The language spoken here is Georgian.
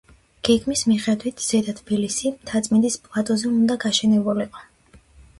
გეგმის მიხედვით „ზედა თბილისი“ მთაწმინდის პლატოზე უნდა გაშენებულიყო.